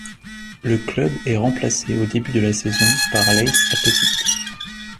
Le club est remplacé au début de la saison par Leith Athletic.